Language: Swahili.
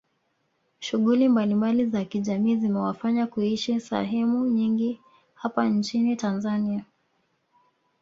Shughuli mbalimbali za kijamii zimewafanya kuishi sahemu nyingi hapa nchini Tanzania